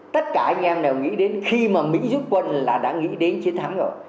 tất cả anh em đều nghĩ đến khi mà mỹ rút quân là đã nghĩ đến chiến thắng rồi